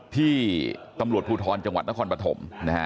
ที่ตำรวจภูทรจังหวัดนครปฐมนะฮะ